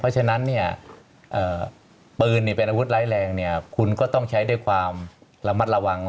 เพราะฉะนั้นเนี่ยปืนเป็นอาวุธร้ายแรงเนี่ยคุณก็ต้องใช้ด้วยความระมัดระวัง